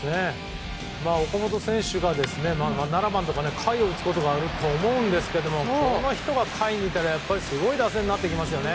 岡本選手が７番とか下位を打つことがあると思いますがこの人が下位にいたらすごい打線になりますよね。